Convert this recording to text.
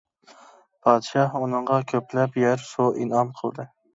پادىشاھ ئۇنىڭغا كۆپلەپ يەر-سۇ ئىنئام قىلدى.